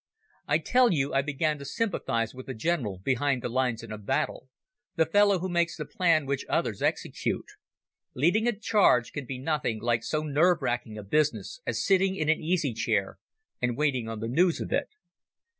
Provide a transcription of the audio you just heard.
I tell you I began to sympathize with the general behind the lines in a battle, the fellow who makes the plan which others execute. Leading a charge can be nothing like so nerve shaking a business as sitting in an easy chair and waiting on the news of it.